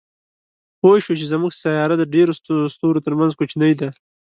پوه شو چې زموږ سیاره د ډېرو ستورو تر منځ کوچنۍ ده.